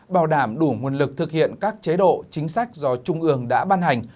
bảo đảm đủ nguồn lực thực hiện các chế độ chính sách do trung ương đã ban hành